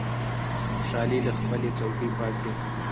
په خوشالۍ له خپلې څوکۍ پاڅېد.